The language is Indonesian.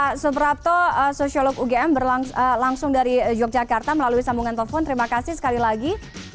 pak soeprapto sosialog ugm berlangsung dari yogyakarta melalui sambungan telepon terima kasih sekali lagi